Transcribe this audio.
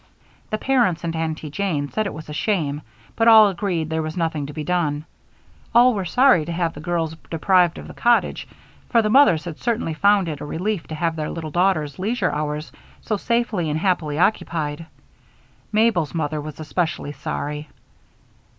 The parents and Aunty Jane said it was a shame, but all agreed that there was nothing to be done. All were sorry to have the girls deprived of the cottage, for the mothers had certainly found it a relief to have their little daughters' leisure hours so safely and happily occupied. Mabel's mother was especially sorry.